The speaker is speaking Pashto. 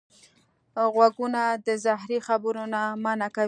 غوږونه د زهري خبرو نه منع کوي